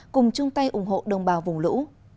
cùng chung tay ủng hộ đồng bào vùng lũ